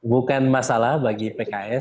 bukan masalah bagi pks